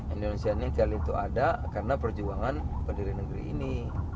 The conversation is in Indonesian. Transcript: indonesia ini kali itu ada karena perjuangan pendiri negeri ini